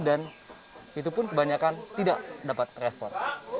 dan itu pun kebanyakan tidak dapat respon